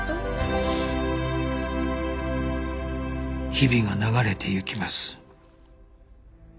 日々が流れていきます